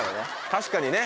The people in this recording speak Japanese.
確かにね